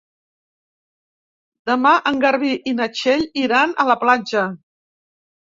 Demà en Garbí i na Txell iran a la platja.